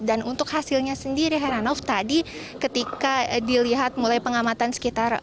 dan untuk hasilnya sendiri heranof tadi ketika dilihat mulai pengamatan sekitar